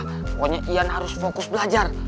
pokoknya ian harus fokus belajar